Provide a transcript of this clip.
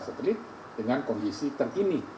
satelit dengan kondisi terkini